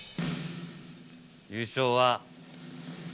優勝は。